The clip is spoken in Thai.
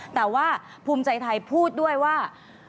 แต่ว่าภูมิใจไทยพูดด้วยว่า